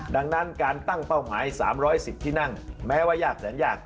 ดังนั้นการตั้งเป้าหมาย๓๑๐ที่นั่งแม้ว่ายากแสนยาก